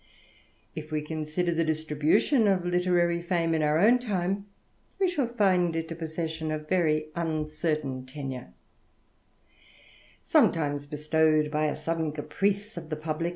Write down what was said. If consider the distribution of literary fame in our own 1 we shall find it a possession of very uncertain tenure ; s times bestowed by a sudden caprice of the publick.